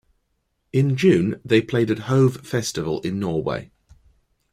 In June they played at Hove Festival in Norway.